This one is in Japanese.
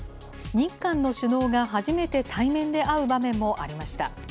日韓の首脳が初めて対面で会う場面もありました。